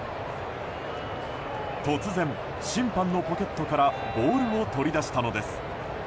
突然、審判のポケットからボールを取り出したのです。